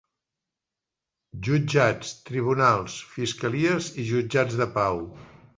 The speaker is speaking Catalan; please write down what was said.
Jutjats, tribunals, fiscalies i jutjats de pau.